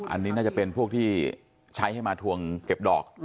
อันนี้น่าจะเป็นพวกที่ใช้ให้มาทวงเก็บดอก